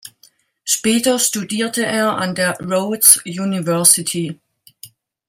Später studierte er an der Rhodes University.